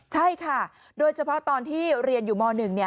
ใช่ค่ะโดยเฉพาะตอนที่เรียนอยู่ม๑